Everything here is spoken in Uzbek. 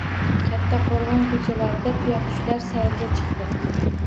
Kattaqo‘rg‘on ko‘chalarida tuyaqushlar «sayrga chiqdi»